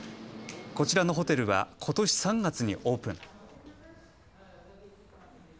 こちらのホテルはことし３月にオープン。